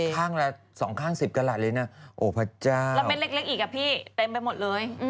ข้างละ๒ข้าง๑๐กระหลัดเ฼็นไปหมดเลย